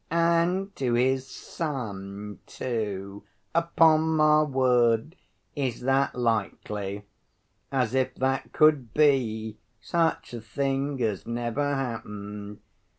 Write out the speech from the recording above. And to his son, too! Upon my word! Is that likely? As if that could be, such a thing has never happened.